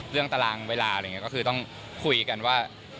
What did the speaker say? ตารางเวลาอะไรอย่างนี้ก็คือต้องคุยกันว่า